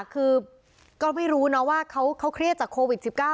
คือก็ไม่รู้เนอะว่าเขาเขาเครียดจากโควิดสิบเก้า